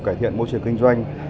cải thiện môi trường kinh doanh